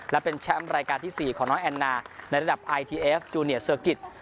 และเป็นแชมป์รายการที่๔ของน้องแอนนาในระดับไอทีเอฟจูเนียเซอร์กิจ